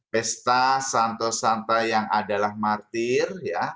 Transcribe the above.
pesta santo santa yang adalah martir